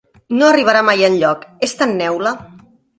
No arribarà mai enlloc: és tan neula!